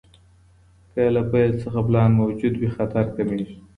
که له پیل څخه پلان موجود وي، خطر کمېږي.